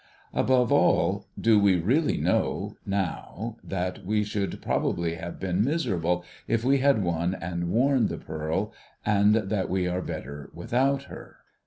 Above all, do we really know, now, that we should probably have l)een miseral)le if we had won and worn the pearl, and that we are better without her